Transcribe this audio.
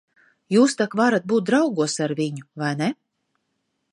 Jūs tak varat būt draugos ar viņu, vai ne?